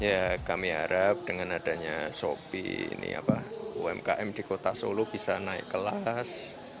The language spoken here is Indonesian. ya kami harap dengan adanya shopee umkm di kota solo bisa naik kelas